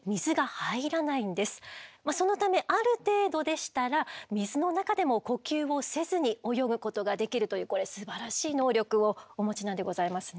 そのためある程度でしたら水の中でも呼吸をせずに泳ぐことができるというこれすばらしい能力をお持ちなんでございますね。